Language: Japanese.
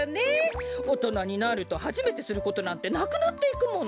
おとなになるとはじめてすることなんてなくなっていくもの。